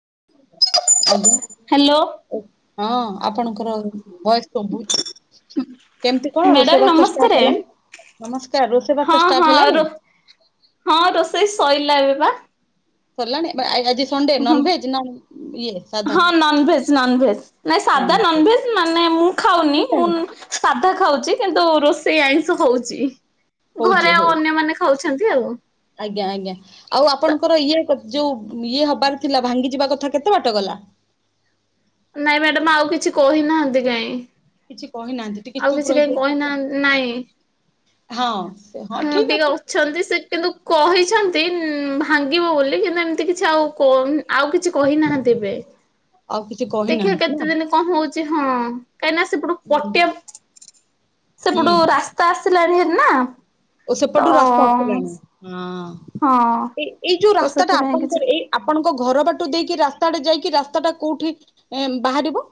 [unintelligible] ଆଜ୍ଞା ହ୍ୟାଲୋ ହଁ ଆପଣଙ୍କର ଭଏସ ସୁଭୁନି, କେମିତି କଣ ମ୍ୟାଡାମ ରୋଷେଇବାସ ନମସ୍କାରେ ହେଲାଣି? ନମସ୍କାର ହଁ ରୋଷେଇବାସ ଷ୍ଟାଟ୍ ହଁ ହେଲାଣି? ରୋ ହଁ ରୋଷେଇ ସଇଲା ସରିଲାଣି ଆ, ଆଜି ସଣ୍ଡେ ହଁ ନନଭେଜ ନା ଇଏ ସାଧା? ହଁ ନନ୍ ଭେଜ୍ ନନ୍ ଭେଜ୍ ନାଇଁ ସାଧା ନନ୍ ଭେଜ୍ ମାନେ ମୁଁ ଖାଉନି ନନଭେଜ୍ ମୁଁ ସାଧା ଖାଉ ଚି କିନ୍ତୁ ରୋଷେଇ ଆଇଁଷ ହଉଚି। ହଉଛି ଘରେ ହଉ ଆଉ ଅନ୍ୟମାନେ ଖାଉଛ ଖାଆନ୍ତି ଆଉ। ଆଜ୍ଞା ଆଜ୍ଞା ଆଉ ଆପଣଙ୍କର ଇଏ ଯୋଉ ଇଏ ହବାର ଥିଲା ଭାଙ୍ଗି ଯିବା କ ଥା କେତେ ବାଟ ଗଲା? ନାଇଁ ମ୍ୟାଡାମ୍ ଆଉ କିଛି କହିନାହାନ୍ତି କାଇଁ। କିଛି କହିନାହାନ୍ତି ଟିକେ ଆଉ ଚୁପ୍ କିଛି କାଇଁ ରହିଯାଇଥିବେ କହିନାହା, ଆଉ। ନାଇଁ ହଁ ସେ ହଁ ଠିକ ଟିକେ ଅଛି। ଅଛନ୍ତି ସେ କିନ୍ତୁ କହିଛନ୍ତ ତିନ ଭାଙ୍ଗିବ ବୋଲି କିନ୍ତୁ ଏମିତି କିଛି ଆଉ କହ ଆଉ କିଛି କହିନାହାନ୍ତି ଏବେ। ଆଉ କିଛି ଦେଖିବା କହିନାହାନ୍ତି କେତେ ନା ଦିନ କଣ ହଉଚି। ହଁ। କାହିଁକି ନା ସେପଟୁ ପଟିଆ ହୁଁ ସେପଟୁ ରାସ୍ତା ଆସିଲାଣି ନା। ଓ ସେ ତ ପଟୁ ରାସ୍ତା ଆସିଲାଣି ହଁ। ହଁ ଏ ଏଇ ଯୋଉ ତ ରାସ୍ତା ଟା ସେଥିପାଇଁ କିଛି ଆପଣଙ୍କର ଏଇ ଆପଣଙ୍କ ଘର ବାଟୁ ଦେଇକି ରାସ୍ତା ଯାଇକି ରାସ୍ତା ଟା କୋଉଠି ଇ ବାହାରିବ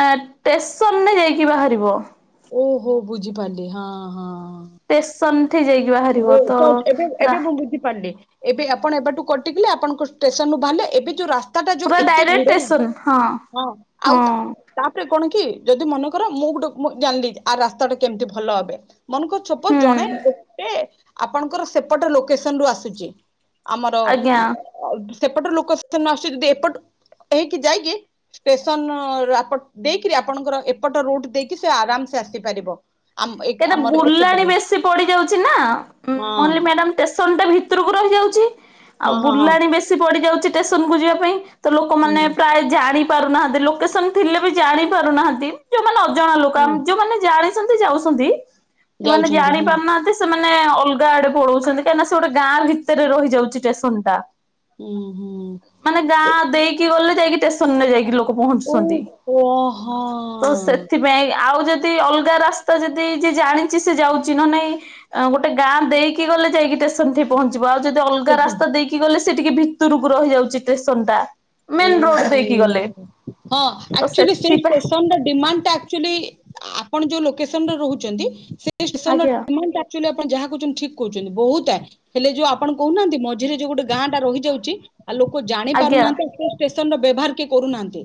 ଆ ଷ୍ଟେସନରେ ଯାଇକି ବାହାରିବ। ଓହୋ ବୁଝିପାରିଲି ହଁ ହଁ ତେସନ ଉଠେଇ ଯାଇକି ଓ ବାହାରିବ ତ ଏବେ ରା ଏବେ ମୁଁ ବୁଝିପାରିଲି। ଏବେ ଆପଣ ଏବେଠୁ କଟିକିଲେ ଆପଣଙ୍କ ଷ୍ଟେସନରୁୁ ବାହାରିଲେ ଏବେ ଯୋଉ ରାସ୍ ଟା ଯୋଉ ପୁରା ଏତେ ଭିଡ ଡାଇରେକ୍ଟ ଷ୍ଟେସନ ହଁ ନାଁ ହଁ ଆଉ ତାପରେ ତା କଣ କି ଯଦି ମନେକର ମୁଁ ଗୋଟେ ମୁଁ ଜାଣିଲି ଆ ରାସ୍ତା ଟା କେମିତି ଭଲ ହବେ। ମନେ ଛବଜ ହୁଁ ଜଣେ ଏ ଆପଣଙ୍କର ସେପଟ ଲୋକେସନ ରୁ ଆସୁଛି। ଆମର ଆଜ୍ଞା। ସେପଟ ଲୋକସନ ଆସୁଛି ଯଦି ଏପଟ ହେଇକି ଯାଇକି ଷ୍ଟେସନ ଅ ଦେଇକରି ଆପଣଙ୍କର ଏପଟ ରୁଟ ଦେଇକି ସେ ଆରାମସେ ଆସିପାରିବ ଆମ ଏକ କେତେ ଆମର ଏପଟ ବୁଲାଣି ରୁଟ ବେଶି ପଡିଯାଉଛି ଚା ନା ହଁ ମଲ୍ଲୀ ମ୍ୟାଡ଼ାମ ଷ୍ଟେସନ୍। ଟା ଭିତରକୁ ରହିଯାଉଛି। ଆଉ ହଁ ହଁ ହଁ ବୁଲାଣି ବେଶୀ ପଡି ଯାଉଛି ଷ୍ଟେସନ୍ କୁ ଯିବା ପାଇଁ ତ ହୁଁ ଲୋକମାନେ ପ୍ରାୟ ଜାଣି ପାରୁ ନାହାନ୍ତି ଲୋକେସନ ଥିଲେ ବି ଜାଣି ପାରୁନାହାନ୍ତି। ମାନେ ଅଜଣା ଲୋକ ହୁଁ ଆମ ଯୋଉମାନେ ଜାଣି କେମିତି ଯାଉ ଅଛନ୍ତି ସେମାନେେ ଯାଉଛନ୍ତି ଜାଣି ହୁଁ ପାରୁନାହାନ୍ତିେ ସେମା ନାଇ ଅଲଗା ଆଡେ ପଳଉଛନ୍ତି କାହିଁକିନା ସେ ଗୋଟେ ଗାଁ ଭିତରେ ରହିଯାଉଛି ଷ୍ଟେସନ ଟା ହୁଁ ହୁଁ। ମାନେ ଗାଁ ଦେଇକି ଗଲେ ଯାଇକି ଷ୍ଟେସନ୍ ରେ ଯାଇକି ଲୋକ ପହଞ୍ଚୁଛନ୍ତି ଓହୋ ତ ହଁ। ସେଥିପାଇଁ ଆଉ ଯଦି ଅଲଗା ରାସ୍ତା ତ ଯଦି ଯିଏ ଜାଣିଛି ସେ ଯାଉଛି ନ ନାଇଁ ଗୋଟେ ଗାଁ ଦେଇକି ଗଲେ ଯାଇକି ଷ୍ଟେ ସେମିତି ପହଞ୍ଚିବ ଆଉ ଯଦି ଅଲଗା ରାସ୍ତା ଦେଇକି ଗଲେ ସେ ଟିକେ ଭିତରକୁ ରହିଯାଉଛି ଷ୍ଟେସନ୍ ଟା ମେନ ରୋଡ ଓହୋ ଦେଇକି ଗଲେ ହଁ ତ ଆଚୁଲି ସେଇ ସେଥିପାଇଁ ଷ୍ଟେସନ ଡିମାଣ୍ଡା ଟା ଆଚୁଲି ଆପଣ ଯୋଉ ଲୋକେସନରେ ରହୁଛନ୍ତି ସେ ସେ ଷ୍ଟେସନ୍ ର ଆଜ୍ଞା ଡିମାଣ୍ଡ ଆଚ୍ୟୁଆଲି ଆପଣ ଯାହା କହୁଛନ୍ତି ଠିକ କହୁଛନ୍ତି ବହୁତ ଆଡେ ହେଲେ ଯୋଉ ଆପଣ କହୁନାହାନ୍ତି ମଝିରେ ଯୋଉ ଗୋଟେ ଗାଁ ଟା ରହିଯାଉଛି। ଆଉ ଲୋକ ଜାଣି ଆଜ୍ଞା ପାରୁନାହାନ୍ତି। ବେସନ ର ବ୍ୟବହାର କିଏ କରୁନାହାନ୍ତି।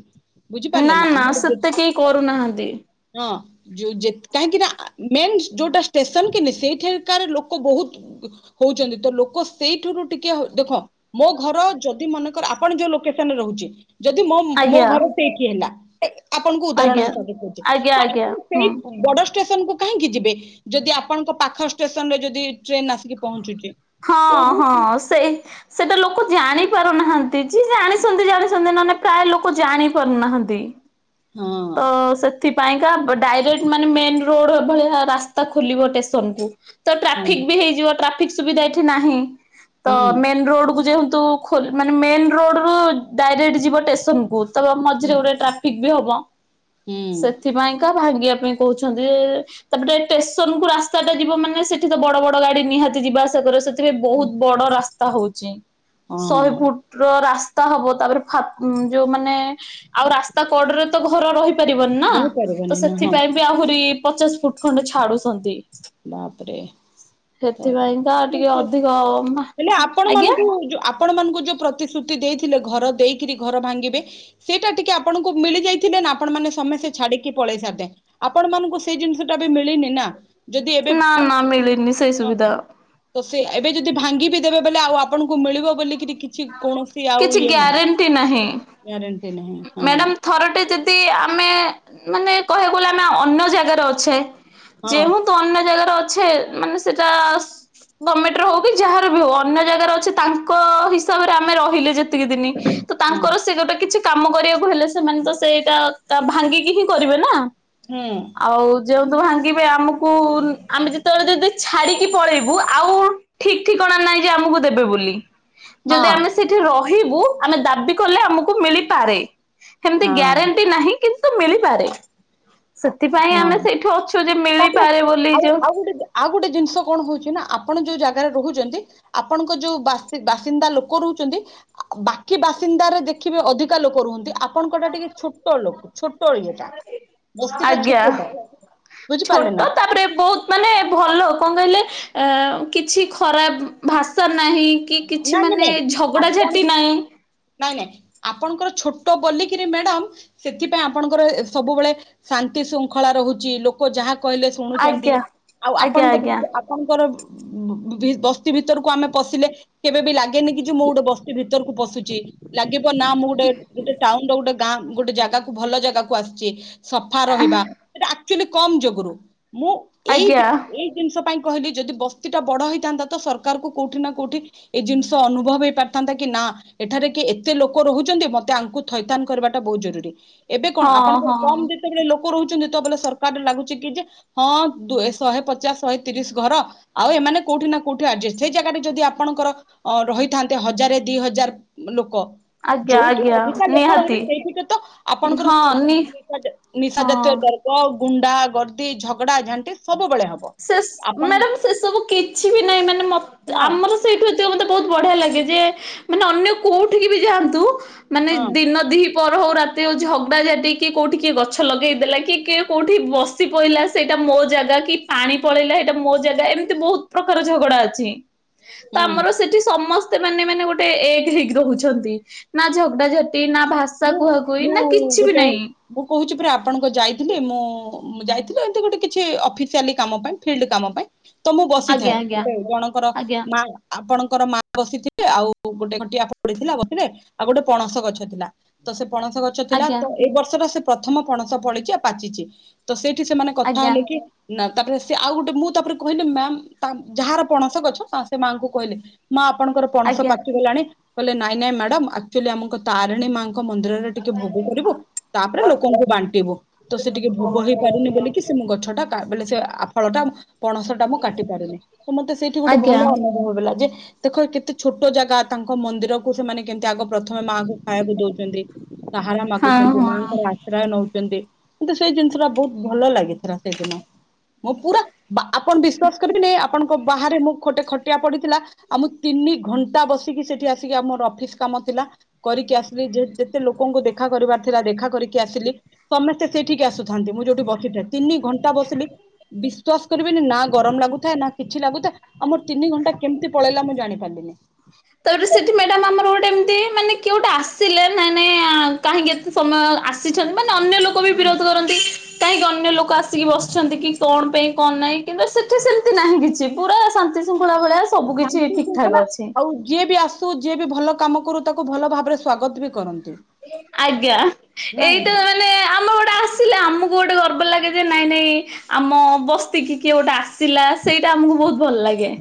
ବୁଝିପାରିଲେ ନା ନା ଆମର ସେତେ କେହି କରୁନାହାନ୍ତି। ହଁ ଯୋଉ ଯେ କାହିଁକି ନା ମେନ୍ ଯୋଉଟା ଷ୍ଟେସନ କିି ସେଇଠିକାର ଲୋକ ବହୁତ ହଉଛନ୍ତି ତ ଲୋକ ସେଇଠୁରୁ ଟିକେ ଦେଖ ମୋ ଘର ଯଦି ମନେକର ଆପଣ ଯୋଉ ଲୋ ଷ୍ଟେସନ ରେ ରହୁଛି। ଯଦି ମୋ ମୋ ଆଜ୍ଞା ଘରେ ସେଇଠି ହେଲା। [inaudible] ଆପଣଙ୍କୁ ଉଦାହରଣ ଆଜ୍ଞା ହେଇଥ ଦେଖଉଚି ଆଜ୍ଞା ତ ଆଜ୍ଞା ଆପଣ ହୁଁ ସେଇ ବଡ ଷ୍ଟେସନକୁ କାହିଁକି ଯିବେ ଯଦି ଆପଣଙ୍କ ପାଖ ଷ୍ଟେସନ ରେ ଯଦି ଟ୍ରେନ ଆସିକି ପହଞ୍ଚୁଛି ହଁ ତ ହଁ ସେଇ ସେଇଟା ଲୋକ ଜାଣି ପାରୁନାହାନ୍ତି ଯେ ଜାଣିଛନ୍ତି ଜାଣିଛନ୍ତି ନହେଲେ ପ୍ରାୟ ଲୋକ ଜାଣି ପାରୁନାହାନ୍ତି। ହଁ ତ ସେଥିପାଇଁକା ଡାଇରେକ୍ଟ ମାନେ ମେନ୍ ରୋଡ ଭଳିଆ ରାସ୍ତା ଖୋଲିବ ଷ୍ଟେସନକୁୁ ତ ହଁ ଟ୍ରାଫିକ ବି ହେଇଯିବ ଟ୍ରା ଠିକ୍ ସୁବିଧା ଏଠି ନାହିଁ। ତ ହୁଁ ମେନ୍ ରୋଡ କୁ ଯେହେ ତୁ ଖୋଲ୍ ମାନେ ମେନ୍ ରୋଡ ରୁ ଡାଇରେକ୍ଟ ଯିବ ଷ୍ଟେସନକୁୁ ତ ହୁଁ ମଝିରେ ଗୋଟେ ଟ୍ରାଫିକ୍ ଏମିତି ହବ। ହୁଁ ସେଥିପାଇଁକା। ଭାଙ୍ଗିବା ପାଇଁ କହୁଛନ୍ତି ଏ ତାପଟେ ଷ୍ଟେସନ କୁ ରାସ୍ତା ଟା ଯିବ ମାନେ ସେଠି ତ ବଡ ବଡ ଗାଡି ନିହାତି ଯିବା ଆସିବା କରିବ ବହୁତ ବଡ ରାସ୍ତା। ତା ହଉଛି। ଶହେ ହଁ ଫୁଟ ର ରାସ୍ ତା ହେବ ତାପରେ ଫାଟ ଯୋଉ ମାନେ ଆଉ ରାସ୍ତା କଡରେ ତ ଗ ଘର ରହି ପାରିବନି ନା ତ ଯାଇପାରିବନି ନା ହଁ ସେଥିପାଇଁ ବି ଆହୁରି ପଚାଶ ଫୁଟ ଖଣ୍ଡେ ଛାଡୁଛନ୍ତି। ବାପରେ ତ ସେଥିପାଇଁକା ଟିକେ ଅଧିକ ହେଲେ ଆପଣ ଆଜ୍ଞା ମାନଙ୍କୁ ଆପଣ ମାନଙ୍କୁ। ଯୋଉ ପ୍ରତିଶ୍ରୁତି ଦେଇଥିଲେ ଘର ଦେଇକରି ଘର ଭାଙ୍ଗିବେ ସେଇଟା ଟିକେ ଆପଣଙ୍କୁ ମିଳି ଯାଇଥିଲେ ନା ଆପଣ ମାନ ସମେସ୍ତେ ଛାଡିକି ପଳେଇ ସାରିଥାନ୍ତେ ଆପଣ ମାନଙ୍କୁ ସେ ଜିନିଷ ଟା ମିଳିନି ନା। ଯଦି ଏବେ ନା ନା ମିଳିନି ସେଇ ହଁ ସୁବିଧା ତ ଏବେ ଯଦି ଭାଙ୍ଗି ବିି ଦେବେ ବୋଲେ ଆଉ ଆପଣଙ୍କୁ ମିଳିବ ବୋଲିକରି କିଛି କୌଣସି ଆଉ କିଛି ଇଏ ନାହିଁ ଗ୍ୟାରେଣ୍ଟି ନାହିଁ। ଗାରେଣ୍ଟି। ମ୍ୟାଡାମ ଥର ଟେ ଯଦି ଆମେ। ମାନେ କହିବାକୁ ଗଲେ ଆମେ ଅନ୍ୟ ଜାଗାରେ ଅଛେ। ଯେ ହଁ ତୁ ଅନ୍ୟ ଜାଗାରେ ଅ। ଛେ ମାନେ ସେଟା ଗମେଣ୍ଟ ହଉ କି ଯାହାର ବି ହଉ ଅନ୍ୟ ଜାଗାରେ ଅଛେ ତାଙ୍କ ହିସାବରେ ଆମେ ରହିଲେ ଯେ। ସେତିକି ଦିନି ତ ହଁ ତାଙ୍କର ସେ ଗୋଟେ କିଛି। କାମ କରିବାକୁ ହେଲେ ସେମାନେ ତ ସେଇଟା ଭାଙ୍ଗିକି ହିଁ କରିବେ ନା। ହୁଁ ଆଉ ଯେଉ ତୁ ଭା। ଆମକୁ ଆମେ ଯେତେବେଳେ ଯଦି ଛାଡିକି ପଳେଇବୁ ଆଉ ଠିକ ଠିକଣା ନାହିଁ ଯେ ଆମକୁ ଦେବେ ବୋଲି। ଯଦି ହଁ ଆମେ ସେଇଠି ରହିବୁ। ଆମେ ଦାବି କଲେ ଆମକୁ ମିଳି। ପାରେ। ସେମିତି ହଁ ଗ୍ୟାରେଣ୍ଟି ନାହିଁ କିନ୍। ତ ମିଳିପାରେ। ସେଥିପାଇଁ ହଁ ଆମେ ସେଇଠି ଅଛୁ ଯେ ତାପରେ ମିଳିପାରେ ବୋଲି ଆଉ ଯୋଉ ଆଉ ଗୋଟେ ଆଉ ଗୋଟେ ଜିନିଷ କଣ ହଉଛି ନା। ଆପଣ ଯୋଉ ଜାଗାରେ ରହୁଛନ୍ତି ଆପଣଙ୍କ ଯୋଉ ବାସିନ୍ଦା ବାସିନ୍ଦା ଲୋକ ରହୁଛନ୍ତି ବାକି ବାସି। ଚିନ୍ଦାରେ ଦେଖିବେ ଅଧିକା ଲୋକ ରୁହନ୍ତି। ଆ। ଆପଣଙ୍କଟା ଟିକେ ଛୋଟ ଲୋକ ଛୋଟ ଇଏଟା। ଟା ଆଜ୍ଞା ଛୋଟଟା ବୁଝିପାରିଲେ ନା ଛୋଟ ତାପରେ ବହୁତ ମାନେ ଭଲ। ଲ କଣ କହିଲେ ଆ କିଛି ଖରାପ ଭାଷା ନାହିଁ। କି କିଛି ନାଇଁ ନାଇଁ ମାନେ ନାଇଁ ଆପଣ ଝଗଡାଝାଟି ନାହିଁ। ନାଇଁ ନାଇଁ ଆପଣଙ୍କର ଛୋଟ ବୋଲିକିରି ମ୍ୟାଡାମ ସେଥିପାଇଁ ଆପଣଙ୍କର ସବୁବେଳେ ଶାନ୍ତି ଶୃଙ୍ଖଳା ରହୁଛି ଲୋକ ଯାହା। କହିଲେ ଶୁଣୁଛନ୍ତି ଆଜ୍ଞା ଆଉ ଆଜ୍ଞା ଆପଣଙ୍କ ଆଜ୍ଞା ଭିତ ଆପଣଙ୍କର। ବସ୍ତି ଭିତରକୁ ଆମେ ପଶିଲେ। କେବେ ବି ଲାଗେ। କିି ମୁଁ ଗୋଟ ବସ୍ତି ଭିତରକୁ ପ। ସୁଚି ଲାଗିବ ନା ମୁଁ ଗୋଟେ ଗୋଟେ ଟାଉନ ର ଗୋଟେ ଗାଁ ଗୋଟେ ଜାଗାକୁ ଭଲ ଜାଗାକୁ ଆସିଛି। ସଫା ରହିବା ଟା। ଆଲି କମ୍ ଯୋଗରୁ। ମୁଁ ଏଇ ଆଜ୍ଞା ଏଇ ଜିନିଷ। ପାଇଁ କହିଲି ଯଦି ବସ୍ତି ଟା ବଡ ହେଇଥାନ୍ତା ତ ସରକାର କୁ କୋଉଠି ନା କୋଉଠି। ଏଇ ଜିନିଷ ଅନୁଭବ ହେଇ ପାରିଥାନ୍ତା କି ନା ଏଠାରେ କି ଏତେ ଲୋକ ରହୁଛନ୍ତି ମତେ ଆଙ୍କୁ ଥଇଥାନ କରିବାଟା ବହୁତ ଜରୁରୀ। ଏବେ କଣ ହଁ ଆପଣଙ୍କର ହଁ। କମ୍ ଯେତେବେଳେ ଲୋକ। କରଉଛନ୍ତି ତ ବଲେ ସରକାର ଲାଗୁଛି କି ଯେ ହଁ ଦୂ ଶହେ ପଚାଶ ଶହେ ତିରିଶ ଘର ଆଉ ଏମାନେ କୋଉଠି ନା କୋଉଠି ଆଡଜେଷ୍ଟ ହେଇ ଜାଗା ବି ଯଦି ଆପଣଙ୍କର। ଅ ରହିଥାନ୍ତେ ହଜାରେ ଦି ହଜାର ଲୋକ। ଆଜ୍ଞା ଯୋଉଠି ଆଜ୍ଞା ଅଧିକା ଲୋକ ରହିବେ ନିହାତି ସେଇଠିକ ତ ଆପଣଙ୍କର ହଁ ସବୁ ନି ନିଶା ଜା ନିଶା ଜାତୀୟ ହଁ। ଦର୍ବ୍ୟ। ଗୁଣ୍ଡା ଗର୍ଦ୍ଦି ଝଗଡା ଝାଣ୍ଟି ସବୁବେଳେ। ହବ ସେ ସ ଆପଣ ମ୍ୟାଡାମ ସେ ସବୁ କିଛି ବି ନାହିଁ ମାନେ ମ। ହଁ ଆମର ସେଇ। ମତେ ବହୁତ ବଢିଆ ଲାଗେ ଯେ ମାନେ ଅନ୍ୟ କୋଉଠିକି ବି ଯାଆନ୍ତୁ। ମାନେ ହଁ ଦିନ ଦି। ପର ହଉ ରାତି ହଉ ଝଗଡ଼ା ଝାଟି କି କୋଉଠି କିଏ ଗଛ ଲଗେଇଦେଲା କି କିଏ କଉଠି ବସି ପହିଲା ସେଇଟା ମୋ ଜାଗା କି। ପାଣି ପଳେଇଲା ଏଇଟା ମୋ ଜାଗା ଏମିତି ବହୁତ ପ୍ରକାର ଝଗଡା ଅଛି। ତ ହୁଁ ଆମର ସେଠି ସମ। ମାନେ ମାନେ ଗୋଟେ ଏକ ହେଇକି ରହୁଛନ୍ତି ନା ଝଗଡା ଝଟି ନା। ଭାଷା ମୁଁ କୁହା କୁହି ନା କିଛି ବି ନାଇଁ। ତାପରେ ଆପଣଙ୍କ ଯାଇଥିଲି ମୁଁ ଯାଇଥିଲି ଏମତି ଗୋଟେ କିଛି ଅଫିସିଆଲି କାମ ପାଇଁ ଫିଲ୍ଡ କାମ ପାଇଁ। ତ ମୁଁ ବସିଥାଏ ଆଜ୍ଞା ଜଣଙ୍କର ଆଜ୍ଞା ମା ଆପଣଙ୍କ। ଙ୍କର ମା ବସିଥିଲେ ଆଉ ଗୋଟେ ଖଟିଆ ପଡି ଥିଲା ବସିଲେ ଆଉ ଗୋଟେ ପଣସ ଗଛ ଥିଲା। ତ ସେ ପ ପଣସ ଗଛ ଥିଲା ଆଜ୍ଞା ତ ଆଜ୍ଞା ଏଇ ବର୍ଷ ର। ପ୍ରଥମ ପଣସ ଫଳିଛି ଆଉ ପାଚିଛି ତ ଏ। ଏଠି ସେମାନେ କଥା ଆଜ୍ଞା ଆଜ୍ଞା ହେଲେ କି। ନା ତାପରେ ସେ ଆଉ ଗୋଟେ ମୁଁ ତାପରେ କହିଲି ମ୍ୟାମ ଯାହାର ପଣସ ଗଛ ସେ ମାଆଙ୍କୁ କହିଲି ମା। ଆପଣଙ୍କର ପଣସ ପାଚିଗଲାଣି। କଲେ ନାଇଁ ନାଇଁ ମ୍ୟାଡାମ ଆକୁଚୁ ଆଲି ଆମକୁ ତାରିଣୀ। ଙ୍କ ମନ୍ଦିରରେ ଟିକେ ଭୋଗ କରିବୁ ତାପରେ ଲୋକଙ୍କୁ ବାଣ୍ଟିବୁ ତ ସେ ଟିକେ ଭୋଗ ହେଇ ପାରୁନି ବୋଲିକି ସେ ଗଛଟା ବଲେ ସେ ଆ ଫଳ ଟା। ପଣସ ଟା ମୁଁ କାଟି ପାରୁନି ତ ମତେ ସେଇଠି ଗୋଟେ ଭଲ ଆଜ୍ଞା ଆଜ୍ଞା। ଅନୁଭବ ହେଲା ଯେ। ଦେଖ କେତେ ଛୋଟ ଜାଗା ତାଙ୍କ ମନ୍ଦିରକୁ ସେମାନେ। କେମିତି ଆଗ ପ୍ରଥମେ ମାଆଙ୍କୁ ଖାଇବାକୁ ଦ। ଛନ୍ତି ଶାହାରା ହଁ ମାଗୁଛନ୍ତି ହଁ। ମାଙ୍କର ଆଶ୍ରୟ ନଉଛନ୍ତି। କିନ୍ତୁ ସେଇ ଜିନିଷ ଟା ବହୁତ ଭଲ ଲାଗିଥିଲା ସେଇଦିନ ମୁଁ ପୁରା। ଆପଣ ବିଶ୍ୱାସ କରିବେନି ଆ। ଆପଣଙ୍କ ବାହାରେ ମୁଁ ଗୋଟେ ଖଟିଆ ପଡିଥିଲା ଆଉ ମୁଁ ତିନି ଘଣ୍ଟା ବସିକି ସେଠି ଆସିକି ଆମର ଅଫିସ କାମ ଥିଲା କରିକି ଆସିଲି ଯେ। ଯେତେ ଲୋକଙ୍କୁ ଦେଖା କରିବାର ଥିଲା ଦେଖା କରିକି ଆସିଲି ସମସ୍ତେ ସେଇଠିକି ଆସୁଥାନ୍ତି ମୁଁ ଯୋଉଠି ବସିଥିଲି। ତିନି ଘଣ୍ଟା ବସିଲି ବିଶ୍ଵାସ। କରିବେନି ନା ଗରମ ଲାଗୁଥାଏ ନା କିଛି ଲାଗୁଥାଏ ଆମର ତିନି ଘଣ୍ଟା କେମିତି ପଳେଇଲା ମୁଁ ଜାଣି ପାରିଲିନି। ତାପରେ ସେଠି ମ୍ୟାଡାମ ଆମର ଗୋଟେ ଏମିତି ମାନେ କେଉଟା ଆସିଲେ ନ ନାଇଁ କାହିଁକି ଏତେ ସମୟ ଆସିଛନ୍ତି। ଅନ୍ୟ ଲୋକ ବି ହୁଁ ବିରୋଧ କରନ୍ତି କାହିଁକି ଅନ୍ୟ ଲୋକ ଆସିକି ବସିଛନ୍ତି କି କଣ ପାଇଁ କଣ ନାହିଁ କିନ୍ତୁ ସେଠି ସେମିତି ନାହିଁ କିଛି ପୁରା ଶାନ୍ତି ପଳାାବଳେ ଶାନ୍ତି ଶୁଙ୍ଖଲା ଆଉ ଯିଏ ବି ଆସୁ ଯିଏ ବି ଭଲ କାମ ଆଗୁରୁ ତାକୁ ଭଲ ଭାବରେ ସ୍ବାଗତ ବି କରନ୍ତି ଆଜ୍ଞା ନାଇଁ ଏଇଟା ମାନେ ଆମ ଗୋଟେ ଆସିଲା ଆମକୁ, କୁ ଗୋଟେ ଗର୍ବ ଲାଗେ ଯେ ନାଇଁ ନାଇଁ ଆମ ବସ୍ତିି କିଏ ଗୋଟେ ଆସି ଥିଲାା ସେଇଟା ଆମକୁ ବହୁତ ଭଲ ଲାଗେ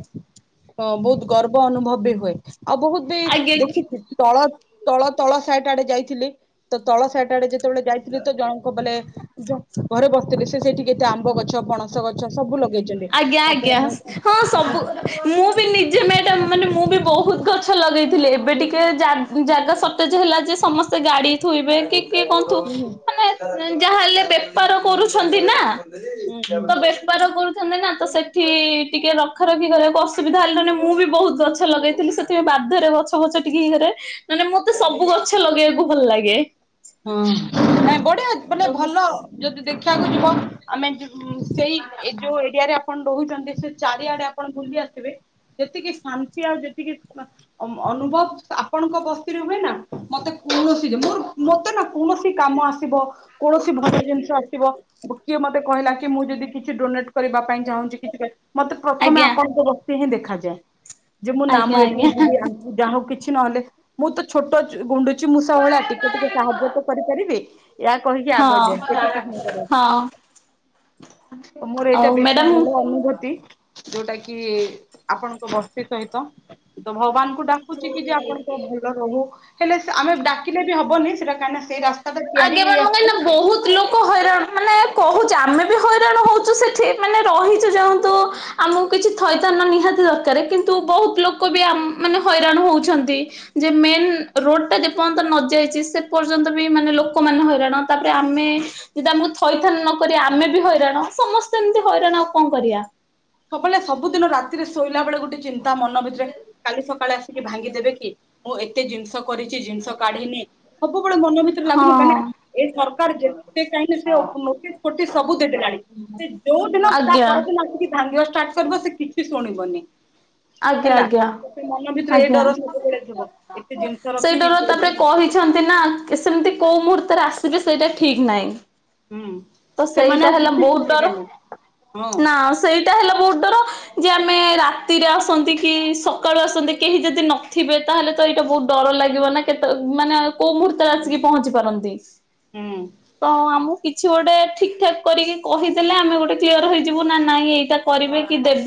ବହୁତ ଗର୍ବ ଅନୁଭବ ବି ହୁଏ ଆଉ ବହୁତ ବି ଆଜ୍ଞା ଦେଖିଛି ତଳ ତଳ ତଳ ହାଟ୍ ଆଡେ ଯାଇଥିଲଥିଲେ ତ ତଳ ସାଇଟ୍ ଆଡେ ଯା ଯେତେବେଳେ ଯାଇଥିଲି ତ ଜଣଙ୍କ ବଲେ ଘରେ ବସିଥିଲି ତ ସେଠି କେତେ ଆମ୍ବ ଗଛ ପଣସ ସ ଗଛ ଗଛ ସବୁ ଲଗେଇଛନ୍ତି ଆଜ୍ଞା ଆଜ୍ଞା ହଁ ସବୁ ମୁଁ ନିଜେ ମ ମାନେ ମୁଁ ବି ବହୁତ ଗଛ ଲଗେଇଥିଲି ଏବେ ଟିକେ ଜାଗା ଜାଗା ସ ସଟେଜ୍ ହେଲା ଯେ ସମସ୍ତେ ଗାଡି ଥୋଇବେ ଟିକିଏ କୁହନ୍ତୁ ହୁଁ ମାନେ ଯାହାହେଲେ ବେପାର କରୁଛନ୍ତି ନା। ହୁଁ ତ ବେପ୍ ପଡୁଥିନେ ନା ତ ସେଠି ଟିକେ ରଖ ରଖି କରିବାକୁ ଅସୁବିଧା ହେଲାାନେ ମୁଁ ବି ବହୁତ ଗଛ ଲଗେଇଥିଲି ସେଥିପଁ ବାଧ୍ୟରେ ଗଛ ଫଛ ଟିକେ ଇଏ କରେ ମାନେ ମତେ ସବୁ ଗଛ ଲଗେଇବାକୁ ଭଲ ଲାଗେ। ହଁ େ ମାନେ ତ ମୁଁ ଭଲ ଯଦି ଦେଖ କୁ ଯିବ ଆମେ- ହଁ ସେଇ ଏ ଯୋଉ ଏରିଆରେ ଆପଣ ରହୁଛନ୍ତି। ସେ ଚାରିଆଡେ ଆପଣ ବୁଲି ଆସେ ଯେତିକି ଶାନ୍ତି ଆଉ ଯେତିକି ଅନୁଭବ ଆପଣଙ୍କ ବସ୍ତିରେ ହୁଏ ନା ମତେ କୌଣସି ଯେ ମୋର ମତେ ନା କୌଣସି କାମ ଆସିବ କୌଣସି ଭଲ ଜିନିଷ ଆସିବ କିଏ ମୋତେ କହିଲା ମୁ ଯଦ କିଛି ଡୋନେଟ। କରିବା ପାଇଁ ଚାହୁଁଛି କିଛି ମତେ ପ୍ରଥମେ ଆଜ୍ଞା ଆପଣଙ୍କର କିହି ଦେଖାଯାଏ ଯେ ମୁଁ ଆଜ୍ଞା ନାମ ଏଠି ଆଜ୍ଞା ଯଦି ଆଣଛି ଯାହା ହଉ କିଛି କିଛି ନହେଲେ ମୁଁ ତ ଛୋଟ ଗୁଣ୍ଡୁଛି ମୁଁ ସବୁ ଭଳେ ଆଟିଙ୍ଗ ଟିକେ ତ ସାହାଯ୍ୟ ତ କରିପାରିବି। ଏହା କହିକି ଆଗ ହଁ ଯାଏ ସେଠ କାହିଁକି କର ହଁ ମୋର ଏଇଟା ଆଉ ବେଶୀ ଭଲ ମ୍ୟାଡାମ ଅନୁଭୂତି ଯୋଉଟା କି ଆପଣଙ୍କ ବସ୍ତି ସହିତ ତ ଭଗବାନଙ୍କୁ ଡାକୁଚି କି ଯେ ଆପଣଙ୍କ ଭଲ ରହୁ ହେଲେ ସେ ଆମେ ଡାକିଲେ ରଖ [unintelligible] ଆଜ୍ଞା ମ୍ୟାଡ଼ାମ ମୁଁ କହିଲି ବହୁତ ଲୋକ ହଇରାଣ ମାନେ କହୁ ଆମେ ବି ହଇରାଣ ହଉଛୁ ସେଠି ମାନେ ରହିଛୁ ଯାାଉନ୍ତୁ ଆମକୁ କିଛି ଥଇଥାନ ନିହାତି ଦରକାର କିନ୍ତୁ ବହୁତ ଲୋକ ବି ମାନେ ହଇରାଣ ହଉଛନ୍ତି ଯେ ମେନ୍ ରୋଡ ଟା ଯେପର୍ଯ୍ୟନ୍ତ ନଯାଇଛି ସେ ପର୍ଯ୍ୟନ୍ତ ବି ମାନେ ଲୋକମାନେ ହଇରାଣ ତାପରେ ଆମେ ଯଦି ଆମକୁ ଥଇଥାନ ନକରିବେ ଆମେ ବି ହଇରାଣ ସମସ୍ତେ ଏମିତିମିଶିକି ହଇରାଣ ଆଉ କଣ କରିବା ସବୁବେଳେ ସବୁଦିନ ରାତିରେ ଶୋଇଲା ବେଳେ ଗୋଟେ ଚିନ୍ତା ତା ମନ ଭିତରେ କାଲି ସକାଳେ ଆସିକି ଭାଙ୍ଗିଦେବେ କି? ମୁଁ ଏତେ ଜିନିଷ କରିଛି ଜିନିଷ କାଢିନି ସବୁବେଳେ ମନ ଭିତରେ ହଁ ଲାଗୁନି କାହିଁ ନା ଏ ସରକାର ଯେ କାହିଁକି ସେ ନୋଟିସ ଫୋଟିସ ସବୁ ଦେଇଦେଲାଣି ସେ ଯୋଉ ଦିନ ତା ଆଜ୍ଞା ପର ଦିନ ଆସିକି ଭାଙ୍ଗିବା ଷ୍ଟାର୍ଟ କରିବ ସେ କିଛି ଶୁ ଶୁଣି ବନି ଆଜ୍ଞା ଆଜ୍ଞା ଭିତରେ ଏ ଆଜ୍ଞା ଡର ସବୁବେଳେ ଥିବ ଏତେ ଜିନିଷ ରଖିଛି ସେଇଟାରୁ କୋଉଠି ତାପରେ ହୁଁ କହିଛନ୍ତି ନା ସେମିତି କୋଉ ମୁହୂର୍ତ୍ତରେ ଆସ ସିବେ ସେଇଟା ଠିକ୍ ନାହିଁ। ତ ସେମାନେ ସେଇଟା ଆଉ ହେଲା କିଛି ବହୁତ ଡର ଶୁଣିବେନି ହଁ ନା ସେଇଟା ହେଲା ବହୁତ ଡର ଜେ ଆମେ ରା ରାତିରେ ଆସନ୍ତି କି ସକାଳୁ ଆସନ୍ତି କେହି ଯଦି ନଥିବେ ତାହେଲେ ତ ଏଇଟା ବହୁତ ଡର ଲାଗିବ ନା କେତେ ମାନେ କୋଉ ମୁହୂର୍ତ୍ତରେ ଆସିକି ପହଞ୍ଚି ପାରନ୍ତି ହୁଁ। ତ ଆମ। କିଛି ଗୋଟେ ଠିକ ଠାକ୍ କରିକି କହିଦେଲେ ଆମେ ଗୋଟେ କ୍ଲିୟର ହେଇଯିବୁ ନା ନାଇଁ ଏଇଟା କରିବେ କି ଦେବେ